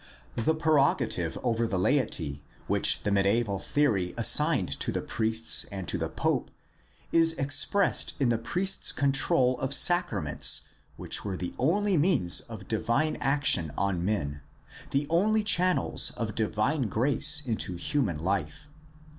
The prerogative over the laity which the medi 350 GUIDE TO STUDY OF CHRISTIAN RELIGION aeval theory assigned to the priests and to the pope is expressed in the priest's control of sacraments which were the only means of divine action on men, the only channels of divine grace into human life.